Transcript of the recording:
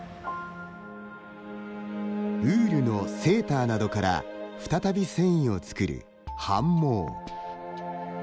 ウールのセーターなどから再び繊維を作る反毛。